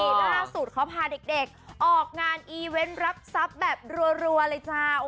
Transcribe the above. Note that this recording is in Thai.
ล่าสุดเขาพาเด็กออกงานอีเวนต์รับทรัพย์แบบรัวเลยจ้า